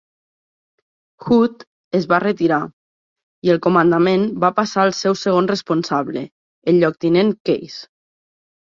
Hood es va retirar i el comandament va passar al seu segon responsable, el lloctinent Case.